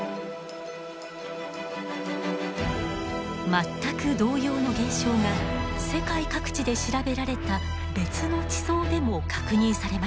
全く同様の現象が世界各地で調べられた別の地層でも確認されました。